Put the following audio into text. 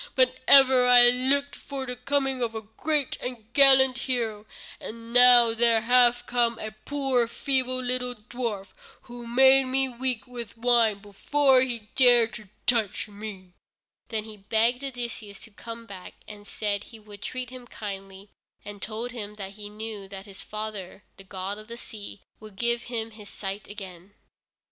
But ever I looked for the coming of a great and gallant hero, and now there hath come a poor feeble, little dwarf, who made me weak with wine before he dared to touch me." Then he begged Odysseus to come back, and said he would treat him kindly, and told him that he knew that his own father, the god of the sea, would give him his sight again.